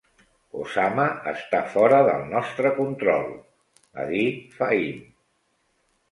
"Osama està fora del nostre control", va dir Fahim.